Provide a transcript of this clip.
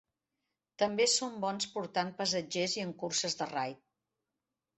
També són bons portant passatgers i en curses de raid.